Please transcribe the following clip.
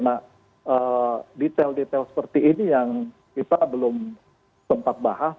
nah detail detail seperti ini yang kita belum sempat bahas